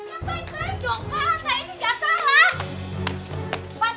atau kedua pengendara uang palsu